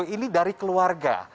ini dari keluarga